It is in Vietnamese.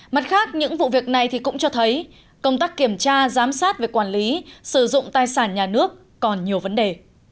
mặt khác những vụ việc này cũng cho thấy công tác kiểm tra giám sát về quản lý sử dụng tài sản nhà nước còn nhiều vấn đề